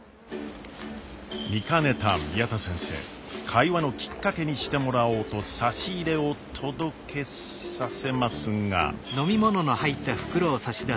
会話のきっかけにしてもらおうと差し入れを届けさせますが。